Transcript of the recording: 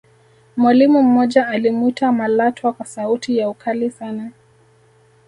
mwalimu mmoja alimwita malatwa kwa sauti ya ukali sana